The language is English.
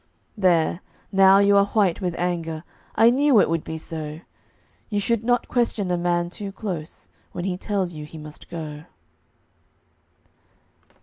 There, now you are white with anger; I knew it would be so. You should not question a man too close When he tells you he must go.